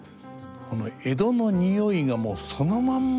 この江戸のにおいがもうそのまんま